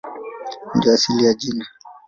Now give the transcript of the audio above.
Ndiyo asili ya jina.